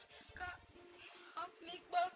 kak maaf bal kak